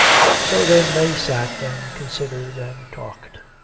So then they sat and considered and talked.